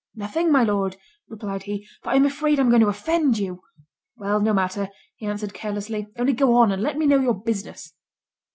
"Nothing, my Lord," replied he, "but I am afraid I am going to offend you." "Well, no matter;" (he answered carelessly) "only go on, and let me know your business."